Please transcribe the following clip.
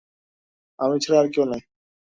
আমি ছাড়া আর কেউ নাই।